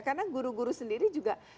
karena guru guru sendiri juga